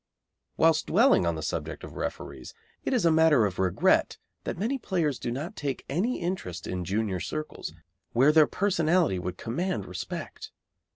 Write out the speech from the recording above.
Whilst dwelling on the subject of referees, it is a matter of regret that many players do not take any interest in junior circles, where their personality would command respect.